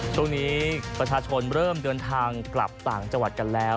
ช่วงนี้ประชาชนเริ่มเดินทางกลับต่างจังหวัดกันแล้ว